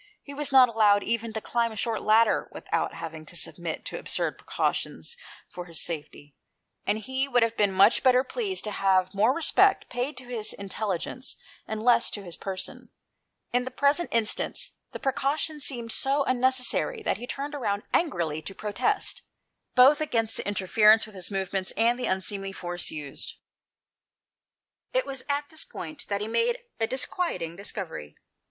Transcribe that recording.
He was not allowed even to climb a short ladder without having to submit to absurd precautions for his 157 aHOST TALES. safety, and he would have been much better pleased to have more respect paid to his intelli gence, and less to his person. In the present instance, the precaution seemed so unnecessary that he turned about angrily to protest, both against the interference with his movements, and the unseemly force used. It was at this point that he made a disquiet ing discovery.